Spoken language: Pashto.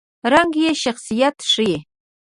رنګ یې شخصیت ښيي.